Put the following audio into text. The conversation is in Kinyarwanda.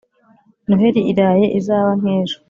noheri iraye izaba nkejo